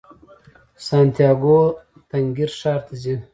سانتیاګو تنګیر ښار ته ځي.